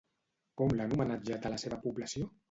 Com l'han homenatjat a la seva població?